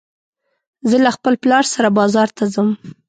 زه له خپل پلار سره بازار ته ځم